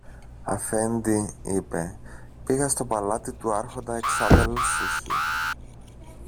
Αφέντη, είπε, πήγα στο παλάτι του Άρχοντα εξαδέλφου σου